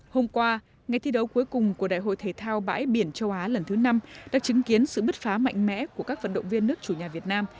hôm qua ngày thi đấu cuối cùng của đại hội thể thao bãi biển châu á lần thứ năm đã chứng kiến sự bứt phá mạnh mẽ của các vận động viên nước chủ nhà việt nam